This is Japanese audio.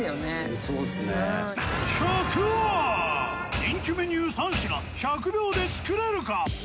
人気メニュー３品１００秒で作れるか？